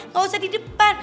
gak usah di depan